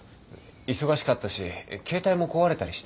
忙しかったし携帯も壊れたりして。